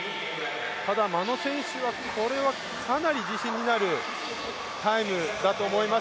ただ眞野選手はかなり自信になるタイムだと思います。